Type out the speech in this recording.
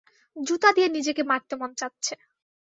জুতা দিয়ে নিজেকে মারতে মন চাচ্ছে।